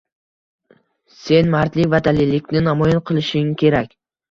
sen mardlik va dalillikni namoyon qilishing kerak.